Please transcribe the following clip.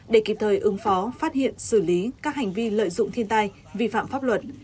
để kịp thời ứng phó phát hiện xử lý các hành vi lợi dụng thiên tai vi phạm pháp luật